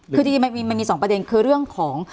คือจริงมันมี๒ประเด็นคือเรื่องของ